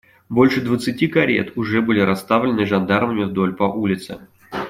Больше двадцати карет уже были расставлены жандармами вдоль по улице.